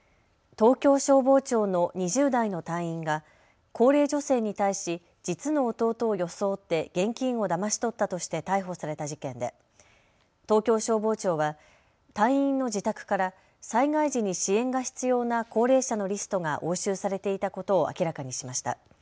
東京消防庁の２０代の隊員が高齢女性に対し実の弟を装って現金をだまし取ったとして逮捕された事件で東京消防庁は隊員の自宅から災害時に支援が必要な高齢者のリストが押収されていたことを明らかにしました。